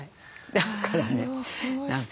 だからね何か。